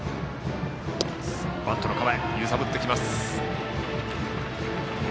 バントの構えで揺さぶってきます。